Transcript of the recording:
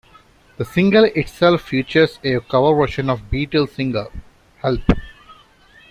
The single itself features a cover version of Beatles single, Help!